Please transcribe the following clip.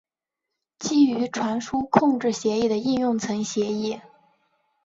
基于传输控制协议的应用层协议。